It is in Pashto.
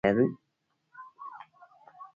آیا سړې خونې لرو؟